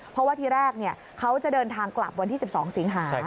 เพราะว่าทีแรกเขาจะเดินทางกลับวันที่๑๒สิงหา